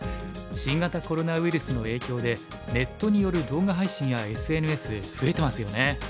新型コロナウイルスの影響でネットによる動画配信やＳＮＳ増えてますよね。